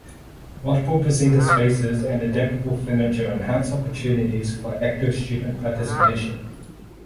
Multiple presenter spaces and adaptable furniture enhance opportunities for active student participation.